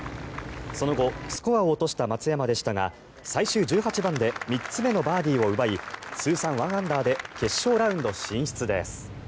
その後スコアを落とした松山でしたが最終１８番で３つ目のバーディーを奪い通算１アンダーで決勝ラウンド進出です。